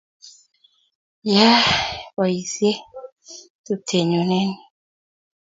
Yae poisyet tupchennyu eng' yun